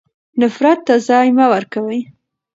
نفرت ته ځای مه ورکوئ.